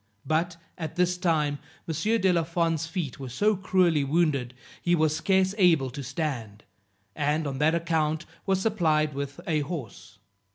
But at this time M. de la Fond's feet were so cruelly wounded, he was scarce able to stand, and on that account was supplied with a horse.